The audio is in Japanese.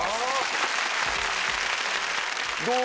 どう？